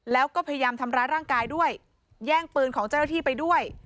แล้วก็พยายามทำร้ายร่างกายด้วยแย่งปืนของเจ้าหน้าที่ไปด้วย